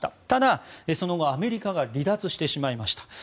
ただ、その後アメリカが離脱してしまいました。